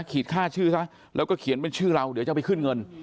ขีดค่าชื่อซะแล้วก็เขียนเป็นชื่อเราเดี๋ยวจะไปขึ้นเงิน